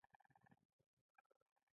هر څه تېر نسل ته پرې نه ښودل شي.